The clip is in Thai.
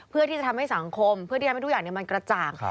เพื่อที่จะทำให้สังคมเพื่อที่ทำให้ทุกอย่างมันกระจ่าง